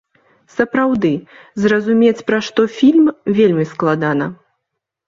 Сапраўды, зразумець пра што фільм, вельмі складана.